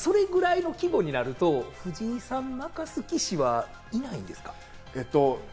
それぐらいの規模になると、藤井さんを負かす棋士はいないんですか？